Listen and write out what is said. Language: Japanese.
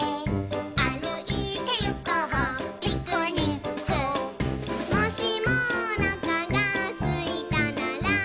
「あるいてゆこうピクニック」「もしもおなかがすいたなら」